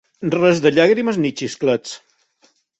Res de llàgrimes ni xisclets.